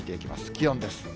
気温です。